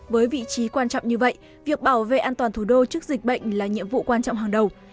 với vị trí quan trọng như vậy việc bảo vệ an toàn thủ đô trước dịch bệnh là nhiệm vụ quan trọng hàng đầu